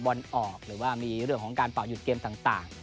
บอลออกหรือว่ามีเรื่องของการเป่าหยุดเกมต่าง